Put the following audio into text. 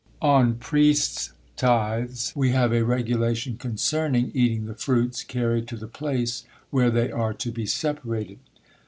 On priests' tithes, we have a regulation concerning eating the fruits carried to the place where they are to be separated.